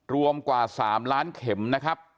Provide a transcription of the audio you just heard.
รวมกว่า๓ล้านเข็มนะครับ